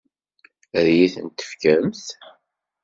Ad iyi-tent-tefkemt?